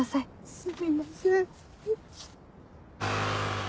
すみません。